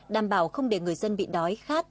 đảm bảo không để người dân bị đói